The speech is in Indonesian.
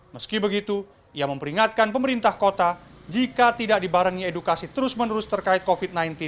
meski begitu ia memperingatkan pemerintah kota jika tidak dibarengi edukasi terus menerus terkait covid sembilan belas